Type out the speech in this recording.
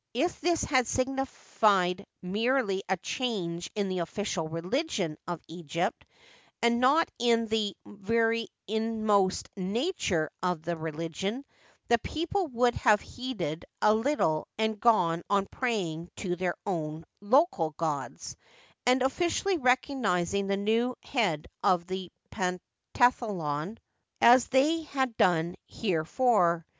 If this had signified merely a change in the official religion of Egypt, and not in the very inmost nature of the religion, the people would have heeded it little and gone on praying to their own local gods, and officially recognizing the new official head of the ^ Digitized by Google 8o HISTORY OF EGYPT. pantheon, as they had done heretofore.